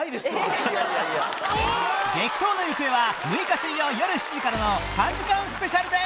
激闘の行方は６日水曜よる７時からの３時間スペシャルで！